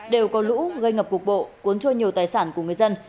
đều có lũ gây ngập cuộc bộ cuốn trôi nhiều tài sản của người dân